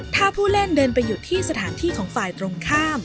ถ้าผู้เล่นเดินไปอยู่ที่สถานที่ของฝ่ายตรงข้าม